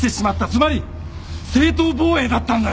つまり正当防衛だったんだよ！